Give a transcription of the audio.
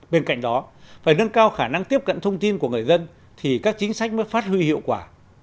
bên cạnh đó phải nâng cao khả năng tiếp cận thông tin của người dân thì các chính sách mới phát huy hiệu quả